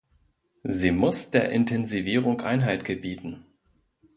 Sie muss der Intensivierung Einhalt gebieten.